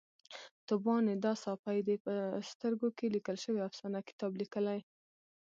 طوبا ندا ساپۍ د په سترګو کې لیکل شوې افسانه کتاب لیکلی